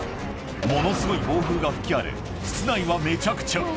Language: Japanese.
ものすごい暴風が吹き荒れ、室内はめちゃくちゃ。